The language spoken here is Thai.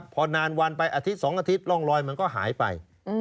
พอนานวันไปอาทิตย์๒อาทิตย์ร่องรอยมันก็หายไป